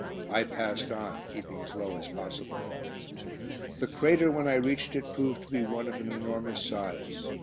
I passed on, keeping as low as possible. The crater, when I reached it, proved to be one of an enormous size.